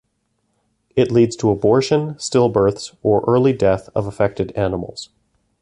It leads to abortion, stillbirths, or early death of affected animals.